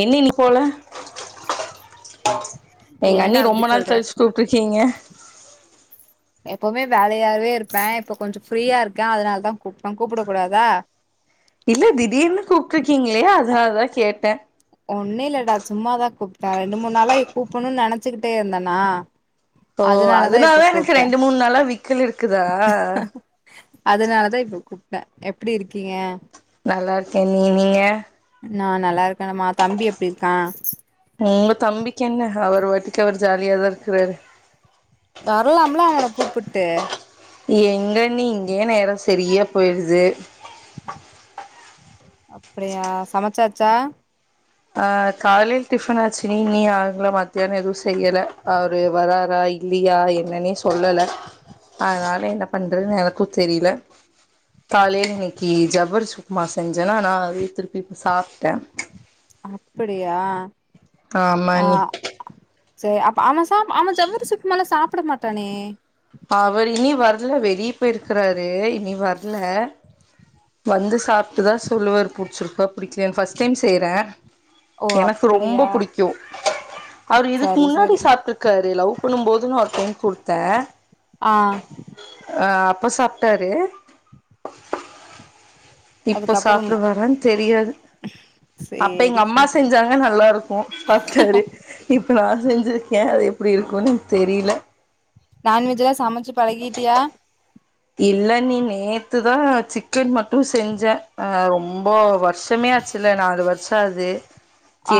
என்ன நீ போல எங்க அண்ணி ஏன்டா ரொம்ப அப்டி நாள் சொல்ற கழிச்சு குக்கீங்க எப்பவுமே வேலையாவே இருப்ப இப்ப கொஞ்சம் ஃப்ரீயா இருக்க அதனால தா கூப்ட கூப்ட கூடாதா இல்ல திடீர்னு கூப்ட்ருக்கீங்களே அதனாலதா கேட்ட ஒன்னு இல்லடா சும்மாதா கூப்ட்ட ரெண்டு மூணு நாளா கூப்பிடணும்னு நெனச்சுக்கிட்டே இருந்தனா ஓ அதுனாலதா எனக்கு ரெண்டு மூணு நாளா விக்கல் எடுக்குதா அதனாலதா இப்ப கூப்ட்ட எப்படி இருக்கீங்க நல்லா இருக்கே நீ நீங்க நா நல்லா இருக்கே அம்மா தம்பி எப்டி இருக்கா உங்க தம்பிக்கு என்ன அவர் வாட்டுக்கு அவர் ஜாலியாதா இருக்கராரு வரலாம்லா அவன கூப்புட்டு எங்க அண்ணி இங்கேயே நேரோ சரியா போயிடுது அப்படியா சமைச்சாச்சா ஆ காலைல் டிஃபன் ஆச்சுணி நீ மத்தியானோ எதுவு செய்யல அவரு‌ வராறா இல்லையா என்னன்னே சொல்லல அதனால என்ன பண்றதுன் எனக்கு தெரியல காலையில இன்னைக்கி ஜவ்வரிசி உப்மா செஞ்சன்னா நா அதே திருப்பி இப்ப சாப்ட்ட அப்படியா ஆமா ஆ நீ சேரி அப்ப அவ சாப் அவ ஜவ்வரிசி உப்மாலா சாப்பட மாட்டானே அவர் இனி வரல வெளியே போய் இருக்கறாரு இனி வரல வந்து சாப்ட்டுதா சொல்லுவாரு புடிச்சிருக்கா புடிக்கலயா ஃபஸ்ட் டைம் செய்ற ஓ எனக்கு அப்படியா ரொம்ப புடிக் கு அவரு இதுக்கு சரி முன்னாடி சரி சாப்ட்ருக்காரு லவ் பண்ணும்போது ஒரு டைம் குடுத்த ஆ ஆ அப்ப சாப்ட்டாரு இப்ப அதுக்கப்புறம் சாப்டுவாரானு தெரியாது அப்ப சேரி எங்க அம்மா சேரி செஞ்சாங்க நல்லா இருக்கு சாப்ட்டாரு இப்ப நா செஞ்சுருக்கே அது எப்புடி இருக்குன்னு எனக் தெரியல நான்வெஜ்ல்லா சமைச்சு பழகிட்டியா இல்ல அண்ணி நேத்துதா சிக்கன் மட்டு செஞ்ச அ ரொம்ப வரு ஷமே ஆச்சுல்ல நாலு வருஷோ ஆவுது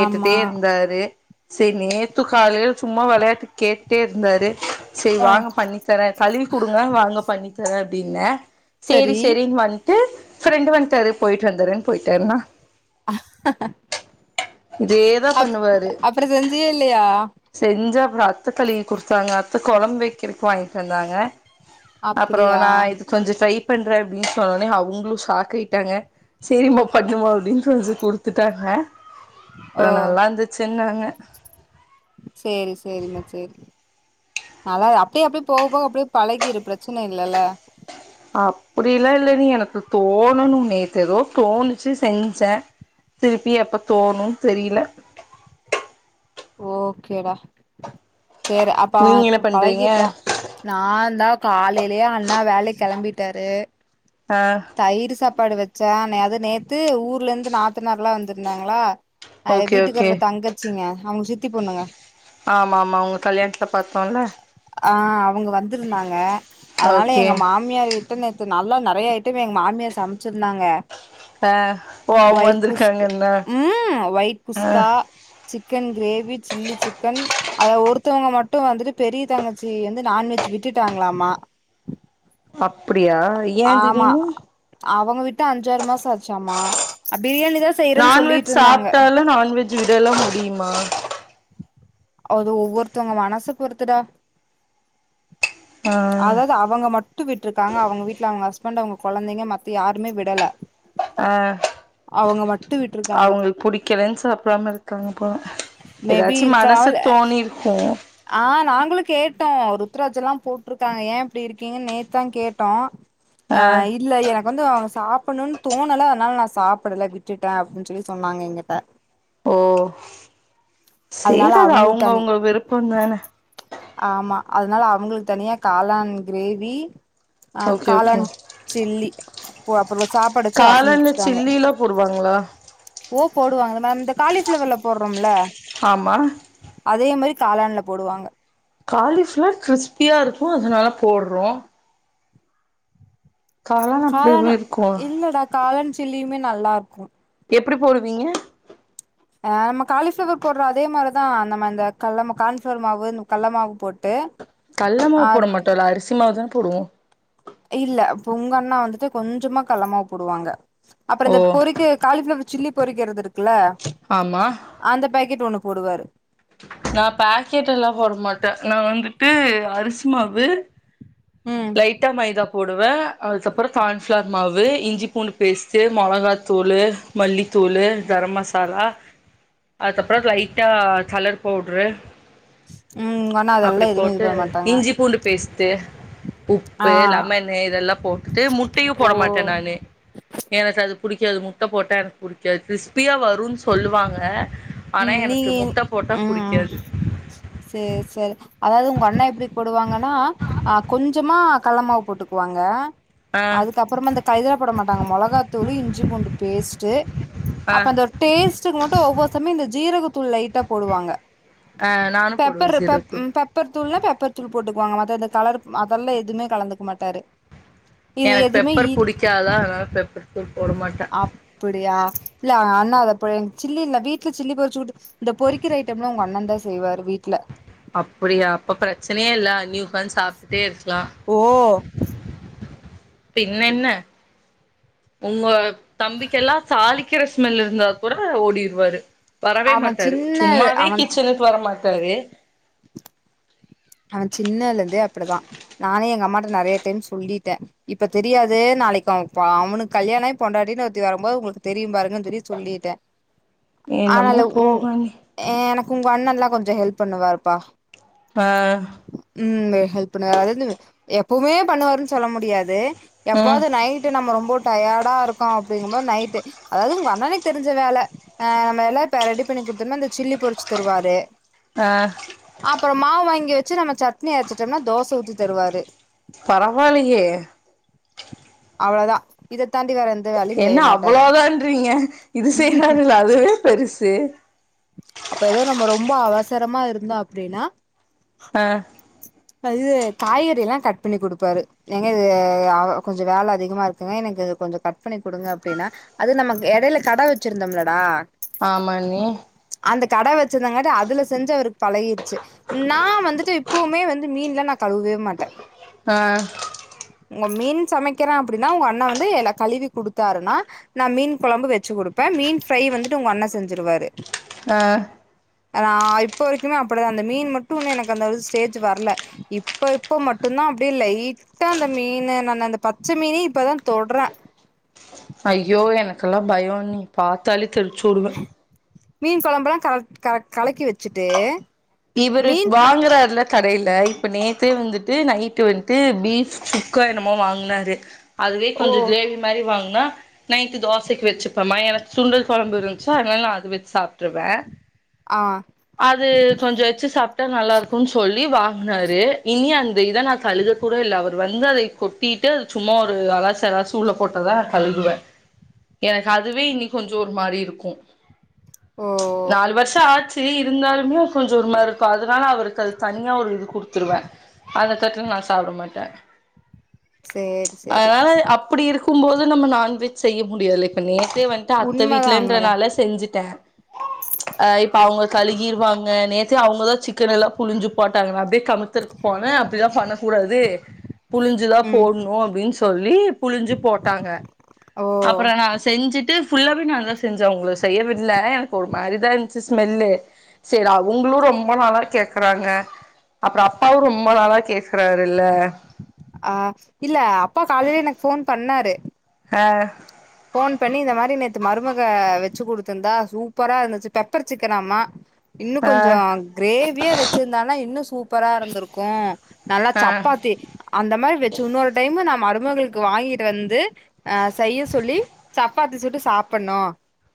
ஆமா இருந்தாரு சேரி நேத்து காலையில சும்மா வெளயாட்டுக்கு கேட்டே இருந்தாரு சேரி ஆ வாங்க பண்ணி தரே கழுவி குடுங்க வாங்க பண்ணி தரே அப்டின்னே சேரி சரி சேரின்னு வந்துட்டு ஃப்ரெண்டு் வன்டாறு போயிட்டு வந்தற போயிட்டாருன்னா தேவ் அப் அப்புறோ செஞ்சீயா இல்லையா செஞ்ச அப்றோ அத்த கழுவி குடுத்தாங்க அத்த கோழம்பு வைக்கிறக்கு வாங்கிட்டு வந்தாங்க அப்புறோ அப்படியா நா இது கொஞ்சோ ட்ரை பண்ற அப்டின்னு சொன்னோனே அவுங்களு ஷாக் ஆயிட்டாங்க சேரிமா பண்ணுமா அப்டின்னு கொஞ்சோ குடுத்துட்டாங்க ஓ அப்றோ நல்லா இருந்துச்சுன்னாங்க சேரி சேரிம்மா சேரி நல்லா அப்டியே அப்டியே போக போக அப்டியே பழகிரு பிரச்சன இல்லல்ல அப்படிலா இல்ல அண்ணி எனக்கு தோணனு நேத்து ஏதோ தோணிச்சு செஞ்ச திருப்பி எப்ப தோணு தெரியல ஓகேடா சேரி அப்ப நீங்க அவன் என்ன பண்றீங்க பழகிட்டா நான்ந்தா காலையிலயே அண்ணா வேலைக்கு கிளம்பிட்டாரு ஆ தயிர் சாப் பாடு வெச்ச அத நேத்து ஊர்ல இருந்து நாத்தனார் எல்லா வந்திருந்தாங்களா அது ஓகே ஓகே வீட்டுக்காரோட தங்கச்சிங்க அவங்களுக்கு சித்தி பொண்ணுங்க ஆமாமா உங்க கல்யாணத்ல பாத்தோம்ல ஆ அவங்க வந்திருந்தாங்க அதனால ஓகே எங்க மா மியார் வீட்ல நேத்து நல்லா நெறைய ஐட்டம் எங்க மாமியார் சமைச்சிருந்தாங்க ஆ ஓ அவங்க வயட் குஸ் வந்திருக்காங்க என்ன ம் ஒய்ட் ஆ குஸ்கா சிக்கன் க்ரேவி சில்லி சிக்கன் அத ஒருத்தவங்க மட்டு வந்துட்டு பெரிய தங்கச்சி வந்து நான்வெஜ் விட்டுட்டாங்களாமா அப்படியா ஏ ஆமா திடீனு அவங்க வட்டு அஞ்சாறு மாச ஆச்சாமா பிரியாணிதா நான்வெஜ் சாப்பிட்டாலு நான்வெஜ் விடல்லா முடியுமா அது ஒவ்வொருத்தவங்க மனசு பொறுத்துடா ஆ அத அவங்க மட்டு விட்ருக்காங்க அவங்க வீட்ல அவங்க ஹஸ்பண்ட் அவங்க கொழந்தைங்க மத்த யாருமே விடல ஆ அவங்க மட்டு விட்டு அவங்களுக்கு புடிக்கலன்னு சாப்டாம இருக்காங்க போல ஏதாச்சு ம காவ்ல சிர்சே ஆ நாங்களு கேட்டோ ருத்ராஜ எல்லா போட்ருக்காங்க ஏ இப்டி இருக்கீங்கன்னு நேத்தா கேட்டோ ஆ இல்ல எனக்கு வந்து அவங்க சாப்பிட்ணுனு தோனல அதனால நா சாப்பிட்ல விட்டுட்டே அப்டின் சொல்லி சொன்னாங்க எங்கிட்ட ஓ அதனால சேரி அது அவங்களுக்கு தனி அவங்கவுங்க விருப்பங்க ஆமா அதனால அவங்களுக்கு தனியா காளான் கிரேவி ஆ ஓகே ஓகே காளான் சில்லி போ அப்புற சாப்பாடு வச்சு ரசம் வச்சுட்டா சில்லியல்லா போடுவாங்களா ஓ போடுவாங்க மேம் இந்த காலிஃபிளவர்ல போட்றோம்ல ஆமா அதே மாரி காளான்ல போடுவாங்க காலிஃப்ளார் க்றிஸ்பியா இருக்கு அதனால போட்றோ காளான் அப்டியேவு காளண இருக்கு இல்லடா காளன் சில்லியுமே நல்லார்க்கு எப்டி போடுவீங்க ஆ நம்ம காளிஃப்வர் போட்ற அதே மாரிதா நம்ம இந்த கள்ள ம கான்ஃப்ளவர் மாவு இந்த கல்ல மாவு போட்டு கல்ல மாவு ஆ போட மாட்டோல்ல அரிசிமாவுதான போடுவோ இல்ல பொங்கண்ணா வந்துட்டு கொஞ்சமா கல்லமாவு போடுவாங்க அப்புற ஓ இந்த பொறிக்கு காளிஃப்ளவர் சில்லி பொறிக்கறது இருக்குல்ல ஆமா அந்த பேக்கெட் ஒண்ணு போடுவாரு நா பாக்கெட் எல்லா போட மாட்டே நா வந்துட்டு அரிசு மாவு ம் லைட்டா மைதா போடுவே அதுக்கப்புற கான்ஃப்ளார் மாவு இஞ்சி பூண்டு பேஸ்ட்டு மொளகா தூளு மல்லித்தூளு கரம் மசாலா அதுகப்ற லைட்டா கலர் பவ்ட்ரு ம் உங்க அண்ணா அப்டி அதெல்லா எதுவுமே இது போட்டு பண்ண மாட்டாங்க இஞ்சி பூண்டு பேஸ்ட்டு ஆ உப்பு லெமன்னு இதெல்லா போட்டுட்டு முட்டையு போட மாட்டே ஓ நானு எனக்கு அது புடிக்காது முட்ட போட்டா எனக்கு புடிக்காது க்றிஸ்பியா வருன்னு சொல்லுவாங்க ஆனா ம் எனக்கு நீங்க முட்ட போட்டா ம் புடிக்காது சேரி சேரி அதாவது உங்க அண்ணா எப்படி போடுவாங்கன்னா அஹ் கொஞ்சோ கள்ளமாவு போட்டுக்குவாங்க ஆ அதுக்கப்புறமா இந்த [unintelligible] போட மாட்டாங்க மிளகாத்தூள் இஞ்சி பூண்டு பேஸ்ட் ஆ அப்பற இந்த டேஸ்ட்டுக்கு மட்டு ஒவ்வொ சமம் இந்த ஜீரகத்தூள் லைட்டா போடுவாங்க ஆ நானு போடுவே பப்பர் பப் ஜீரகத்தூள் பெப்பர் தூள்னா பெப்பர் தூள் போட்டுக்குவாங்க மத்த அந்த கலர் அதெல்லா எதுவுமே கலந்துக்க மாட்டாரு இது எனக்கு எதுமே பெப்பர் இ புடிக்காதா அதனால பெப்பர் தூள் போட மாட்டே அப்டியா இல்ல அண்ணா அத போய் சில்லின வீட்டு வீல சில்லி பொறிச்சு விட்டு இந்த பொறிக்கிற ஐட்டம் எல்லா உங்க அண்ணன் தா செய்வாரு வீட்டுல அப்டியா அப்ப பிரச்சனயேஇல்ல அண்ணி உக்கந்து சாப்டுட்டே இருக்கலா ஓ பின்ன என்ன உங்க தம்பிக்கெல்லா தாளிக் க்கிற ஸ்மெல் இருந்தா கூட ஓடிடுவாரு வரவே அவன் மாட்டாரு சின்ன சும்மாவே அவன் கிச்சனுக்கு வர மாட்டாரு அவ சின்னதுலருந்தே அப்படிதா நானே எங்க அம்மாட்ட நெறயா டைம் சொல்லிட்டே இப்ப தெரியாது நாளைக்கு அவ அவனுக்கு கல்யாண ஆயி பொண்டாட்டின்னு ஒருத்தி வரும்போது உங்களுக்கு தெரியு பாருங்கன்னு சொல்லி சொல்லிட்டே [inaudible] ஆனாலு உ போங்க நீ எனக்கு உங்க அண்ணன்ல்லா கொஞ்சோ ஹெல்ப் பண்ணுவாருப்பா ஆ ம் ஹெல்ப் பண்ணுவாரு அது வந்து எப்வுமே பண்ணுவாருன்னு சொல்ல முடியாது ம் எப்பாவது நைட் டு நம்ம ரொம்ப டயர்டா இருக்கோ அப்படிங்குபோது நைட் அதாவது உங்க அண்ணணுக்கு தெரிஞ்ச வேல ஆ நம்ம எல்லா இப்ப ரெடி பண்ணி கொடுத்தோனா அந்த சில்லி பொறிச்சு தருவாரு ஆ அப்ற மாவு வாங்கி வச்சு நம்ம சட்னி அரச்சிட்டோம்னா தோச ஊத்தி தருவாரு பரவால்லயே அவ்ளோதா இத தாண்டி வேற எந் என்ன அவ்ளோதான்றீங்க இது செய்றாருல அதுவே பெருசு அப்ப ஏதோ நம்ம ரொம்ப அவசரமா இருந்தோ அப்டின்னா ஆஹ் இது காய்கறில்லா கட் பண்ணி கொடுப்பாரு ஏங்க இது கொஞ்சோ வேல அதிகமா இருக்குங்க எனக்கு இது கொஞ்சோ கட் பண்ணி கொடுங்க அப்டின்னா அது நமக்கு இடைல கட வச்சிருந்தோம்லடா ஆமா அண்ணி அந்த கட வச்சிருந்தாங்காட்ட அதுல செஞ்சு அவருக்கு பழகிடுச்சு நா வந்துட்டு இப்பவுமே வந்து மீன்லா நா கழுவவே மாட்டே ஆ உங்க மீன் சமைக்கிறே அப்டின்னா உங்க அண்ணன் வந்து எல்லா கழுவி குடுத்தாருன்னா நா மீன் குழம்பு வச்சு கொடுப்பே மீன் ஃப்ரை வந்துட்டு உங்க அண்ணன் செஞ்சுருவாரு ஆ நா இப்போ வரைக்குமே அப்டிதா அந்த மீன் மட்டு இன்னு எனக்கு அந்த ஸ்டேஜ் வரல இப்ப இப்ப மட்டும்தா அப்டியே லைட் ட்டா அந்த மீன் நா அந்த பச்சை மீனையே இப்பதா தொடுறே ஐயோ எனக்கெல்லா பயம் அண்ணி பாத்தாலே தெரிச்சு ஓடு மீன் குழம்புல்லா கர கல கலக்கி வச்சுட்டு இவரு வாங்குறாருல கடையில இப்ப நேத்தே வந்துட்டு நைட்டு வந்ட்டு பீஃப் சுக்கா என்னமோ வாங்குனாரு அதுவே ஓ கொஞ்ச கிரேவி மாரி வாங்குனா நைட்டு தோசைக்கு வச்சுப்பம்மா எனக்கு சுண்டல் குழம்பு இருந்ச்சு அதனால நா அத வச்சு சாப்ட்டுருவே ஆ அது கொஞ்ச வச்சு சாப்ட்டா நல்லா இருக்குன்னு சொல்லி வாங்குனாரு இனி அந்த இத நா கழுவ கூட இல்ல அவரு வந்து அத கொட்டிட்டு அது சும்மா ஒரு அலச அலசி உள்ள போட்டதா நா கழுவுவே எனக்கு அதுவே இன்னி கொஞ்ச ஒரு மாரி இருக்கும் ஓ நாலு வருஷ ஆ த்து இருந்தாலுமே கொஞ்ச ஒரு மாரி இருக்கு அதனால அவருக்கு அது தனியா ஒரு இது குடுத்துருவே அந்த தட்டுல நா சாப்பிட மாட்டே சேரி சேரி அதனால அப்படி இருக்கும் போது நம்ம நான்வெஜ் செய்ய முடியாதுல நேத்தே வந்துட்டு அத்தை உண்மதா உண்மதா வீட்லன்றனால செஞ்சுட்டே அ அவுங்க கழுகிருவாங்க நேத்தே அவுங்கதா சிக்கன் எல்லா புழிஞ்சு போட்டாங்க நா அப்டியே கமத்துருக்கு போனே அப்டிதா பண்ண கூடாது புளிஞ்சுதா ம் போடணு அப்டின்னு சொல்லி புளிஞ்சு போட்டாங்க ஓ அப்ற நா செஞ்சுட்டு ஃபுல்லாவவே நான் தா செஞ்சே அவுங்கள செய்யவிடல எனக்கு ஒரு மாரிதா இருந் ச்சு ஸ்மெல்லு சரி அவுங்களு ரொம்ப நாளா கேக்குறாங்க அப்புற அப்பாவு ரொம்ப நாளா கேக்குறாரு இல்ல ஆ இல்ல அப்பா காலையில எனக்கு ஃபோன் பண்ணாரு ஆ ஃபோன் பண்ணி இந்த மாரி நேத்து மருமக வெச்சு குடுத்துருந்தா சூப்பரா இருந்துச்சு பெப்பர் சிக்கனாமா இன்னு ஆ கொஞ்ச கிரேவியா வெச்சிருந்தானா இன்னு சூப்பரா இருந்திருக்கு நல்லா ஆ சப்பாத்தி அந்த மாரி வெச்சு இன்னொரு டைமு நா மருமகளுக்கு வாங்கிட்டு வந்து அ செய்ய சொல்லி சப்பாத்தி சுட்டு சாப்பிடணு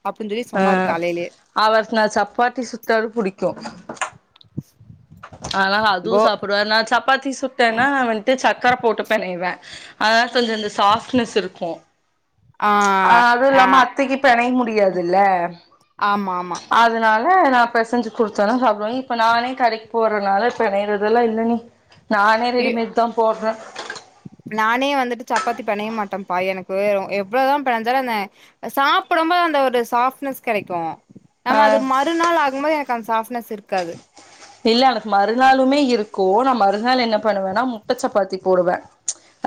அப்டின்னு சொல்லி சொன்னாரு காலையிலயே அவர்க்கு நா சப்பாத்தி சுட்டாலு பிடிக்கு அதுனால அதுவு கோ சாப்பிடுவார் நா சப் சப்பாத்தி சுட்டேன்னா நா வந்துட்டு சர்க்கரை போட்டு பிணைவே அதனால கொஞ்ச அந்த சாஃப்ட்னஸ் இருக்கு ஆ அது ஆ இல்லாம அத்தைக்கு பினைய முடியாதுல்ல ஆமா ஆமா அதனால் ல நா பெசைஞ்சு குடுத்தேன்னா சாப்பிடுவாங்க இப்ப நானே கடைக்கு போறனால இப்ப பிணைறதெல்லா இல்லைங்க நானே இ ரெடிமேட் தான் போடுறே நானே வந்துட்டு சப்பாத்தி பெணைய மாட்டேன் பா எனக்கு வே எவ்வளவுதா பெனஞ்சாலு அந்த சாப்படும்போது அந்த ஒரு சாஃப்ட்னஸ் கெடைக்கு ஆ நம்ம அது மறுநாள் ஆகும்போது எனக்கு அந்த சாஃப்ட்னஸ் இருக்காது இல்ல எனக்கு மறுநாளுமே இருக்கு நான் மறுநாள் என்ன பண்ணுவேன்னா முட்டை சப்பாத்தி போடுவே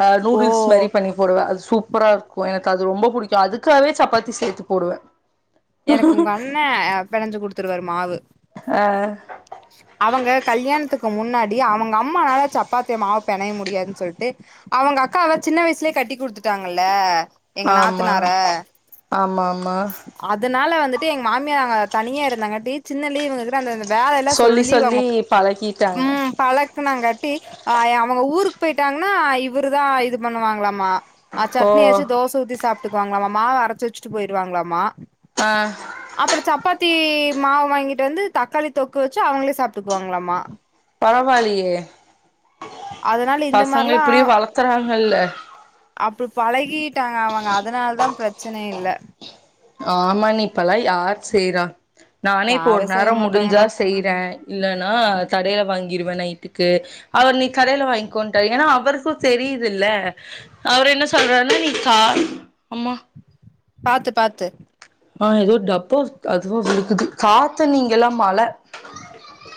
அ ஓ நூடுல்ஸ் மாரி பண்ணி போடுவே அது சூப்பரா இருக்கு எனக்கு அது ரொம்ப பிடிக்கு அதுக்காகவே சப்பாத்தி சேத்து போடுவே எனக்கு உங்க அண்ணன் பிணஞ்சு குடுத்துருவாரு மாவு ஆ அவங்க கல்யாணத்துக்கு முன்னாடி அவங்க அம்மானால சப்பாத்திய மாவு பிணைய முடியாதுன் சொல்ட்டு அவங்க அக்காவ சின்ன வயசுலே கட்டி குடுத்துட்டாங்கல்ல எங்க ஆமா நாத்தனார ஆமா ஆமா அதனால வந்துட்டு எங்க மாமியாங்க தனியா இருந்தாங்க டீத் சின்னலே இவுங்க கிட்ட அந்தந்த வேலை எல்லா சொல்லி அவங்க ம் பழக்கனாங்கட்டி ஆ அவங்க ஊருக்கு போயிட்டாங்கன்னா இவரு தா இது பண்ணுவாங்களாமா ஆ ஓ சட்னியரச்சு தோசை ஊத்தி சாப்ட்டுக்குவாங்க மாவு அரைச்சு வச்சுட்டு போயிருவாங்களாமா அ அப்றோ சப்பாத்தி மாவு வாங்கிட்டு வந்து தக்காளி தொக்கு வச்சு அவுங்ளே சாப்ட்டுக்குவாங்களாமா பரவால்லையே அதனால இந்த பசங்கள மாரிலா இப்புடியு வளத்தறாங்கள்ல அப்டி பழகிட்டாங்க அவங்க அதனால தா பிரச்சனை இல்ல ஆமா அண்ணி இப்பல்லா யார் செய்றா நானே இப்போ ஒரு யாரு செய்ய நேரோ முடிஞ்சா மாட்டாங்கடா செய் றே இல்லன்னா கடெல வாங்கிருவே நைட்டுக்கு அவர் நீ கடைல வாங்கிக்கோட்டாரு ஏனா அவருக்கு தெரிது இல்ல அவர் என்ன சொல்றார்ன்னா நீ கா அம்மா பாத்து பாத்து ஆ ஏதோ டப்போ அதுவா விழுகுது காத்தண்ணி இங்கல்லா மழ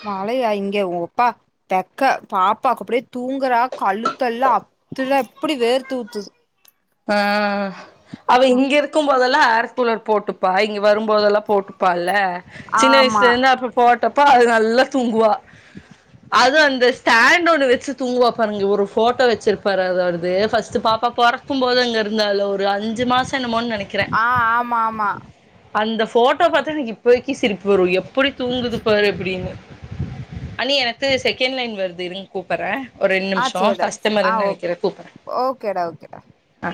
மழையா இங்க ஒ அப்பா தெக்க பாப்பா அப்டியே தூங்குறா கழுத்தெல்லா அப்துல்ல அப்டி வேர்த்தூத்துது அ அவ இங்க இருக்கு போதெல்லா ஏர் கூலர் போட்டுப்பா இங்க வரும் போதெல்லா போட்டுப் பால்ல சின்ன வயசுல ஆமா இருந்து அப்ப போட்டப்போ அது நல்லா தூங்குவா அது அந்த ஸ்டாண்ட்டு ஒன்னு வச்சு தூங்குவா பாருங்க ஒரு ஃபோட்டோ வச்சுருப்பாரு அது அவரது ஃபஸ்ட்டு பாப்பா பொற க்கும் போது அங்க இருந்தாள ஒரு அஞ்சு மாசோ என்னமோன் நெனைக் ஆ ஆமாமா அந்த ஃபோட்டோ பாத்தா எனக்கு இப்பக்கு சிரிப்பு வரு எப்புடி தூங்குது பாரு அப்டின்னு அண்ணி எனக்கு செகண்ட் லைன் வருது இருங் கூப்பர்றே ஒரு ரெண் நிம்ஷோ கஸ்டமர்னு நெனைக்கிறே கூப்புறே ஓக்கேடா ஓக்கேடா ஆ